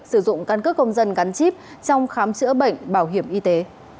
sử dụng căn cước công dân gắn chip trong khám chữa bệnh bảo hiểm y tế